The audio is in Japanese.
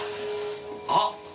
あっ！